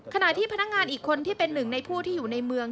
ขณะที่พนักงานอีกคนที่เป็นหนึ่งในผู้ที่อยู่ในเมือง